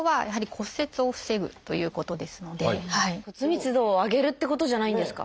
骨密度を上げるってことじゃないんですか？